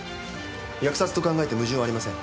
扼殺と考えて矛盾ありません。